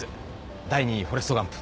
第２位フォレスト・ガンプ。